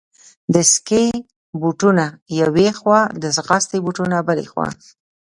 د سکې بوټونه یوې خوا، د ځغاستې بوټونه بلې خوا.